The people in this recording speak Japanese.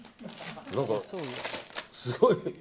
何かすごい。